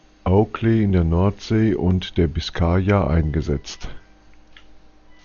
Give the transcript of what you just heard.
Oakley in der Nordsee und der Biskaya eingesetzt.